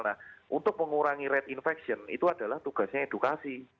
nah untuk mengurangi rate infeksi itu adalah tugasnya edukasi